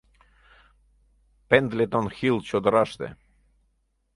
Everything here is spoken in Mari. Пендлетон-Хилл чодыраште